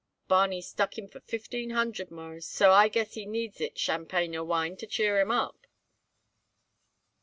Barney stuck him for fifteen hundred, Mawruss, so I guess he needs it tchampanyer wine to cheer him up."